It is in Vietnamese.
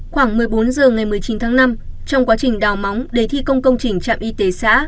khoảng một mươi bốn h ngày một mươi chín tháng năm trong quá trình đào móng để thi công công trình trạm y tế xã